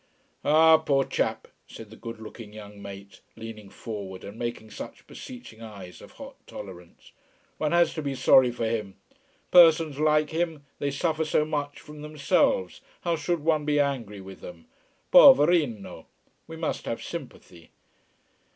"Ah, poor chap!" said the good looking young mate, leaning forward and making such beseeching eyes of hot tolerance. "One has to be sorry for him. Persons like him, they suffer so much from themselves, how should one be angry with them! Poverino. We must have sympathy."